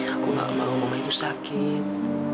aku gak mau mama itu sakit